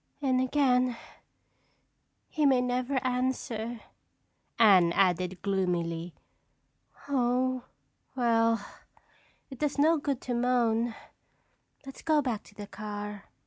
"And again, he may never answer," Anne added gloomily. "Oh, well, it does no good to moan. Let's go back to the car."